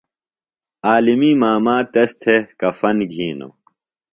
عالمیۡ ماما تس تھےۡ کفن گِھینوۡ۔